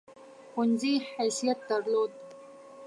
ښوونځي حیثیت درلود.